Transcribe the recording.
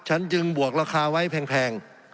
ฉันจึงบวกราคาไว้แพง